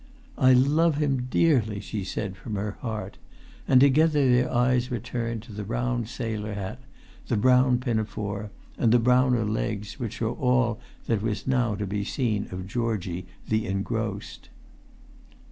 "I love him dearly," she said from her heart: and together their eyes returned to the round sailor hat, the brown pinafore and the browner legs which were all that was now to be seen of Georgie the engrossed.